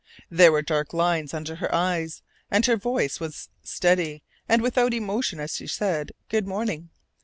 There were dark lines under her eyes, and her voice was steady and without emotion as she said "Good morning."